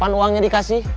kapan uangnya dikasih